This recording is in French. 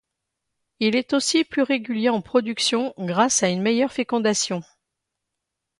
Il est aussi plus régulier en production grâce à une meilleure fécondation.